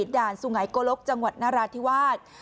ด่านสุงัยโกลกจังหวัดนราธิวาส